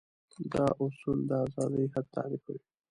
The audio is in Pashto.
دا اصول د ازادي حد تعريفوي.